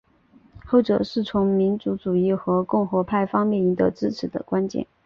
后者是从民族主义和共和派方面赢得支持的关键。